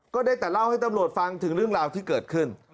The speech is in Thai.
ก็ได้แต่เล่าให้ตำรวจฟังถึงเรื่องราวที่เกิดขึ้น